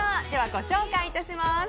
ご紹介いたします。